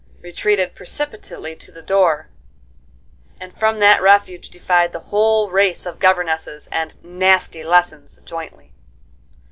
retreated precipitately to the door, and from that refuge defied the whole race of governesses and "nasty lessons" jointly.